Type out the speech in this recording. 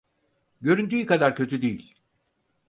Göründüğü kadar kötü değil.